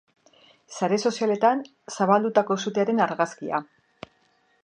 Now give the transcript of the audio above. Sare sozialetan zabaldutako sutearen argazkia.